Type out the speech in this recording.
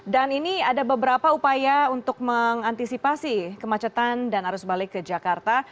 dan ini ada beberapa upaya untuk mengantisipasi kemacetan dan arus balik ke jakarta